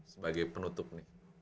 sebagai penutup nih